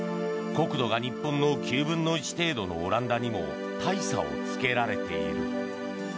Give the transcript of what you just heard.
国土が日本の９分の１程度のオランダにも大差をつけられている。